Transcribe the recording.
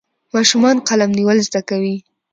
ماشومان قلم نیول زده کوي.